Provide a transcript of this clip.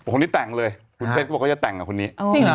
คุณเพชรบอกว่าจะแต่งกับคนนี้